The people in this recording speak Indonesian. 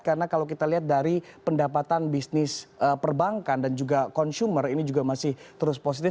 karena kalau kita lihat dari pendapatan bisnis perbankan dan juga consumer ini juga masih terus positif